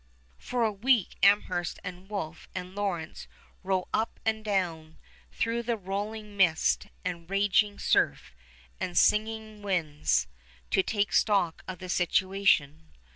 For a week Amherst and Wolfe and Lawrence row up and down through the roiling mist and raging surf and singing winds to take stock of the situation.